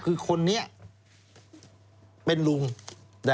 คือคนนี้เป็นลุง